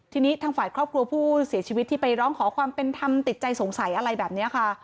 ทีนี้ทางฝ่ายครอบครัวผู้เสียชีวิตที่ไปร้องขอความเป็นธรรมติดใจสงสัยอะไรแบบนี้ค่ะ